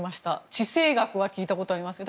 地政学は聞いたことがありますが。